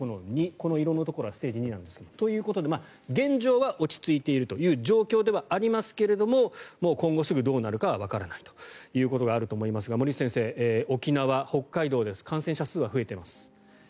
この色のところはステージ２なんですが現状は落ち着いているという状況ではありますけれどももう今後、すぐにどうなるかはわからないということがあると思いますが森内先生、沖縄、北海道で感染者数が増えています。